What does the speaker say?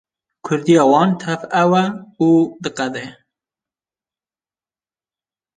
Kurdiya wan tev ew e û diqede.